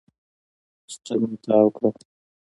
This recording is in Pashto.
ستن يې تاو کړه.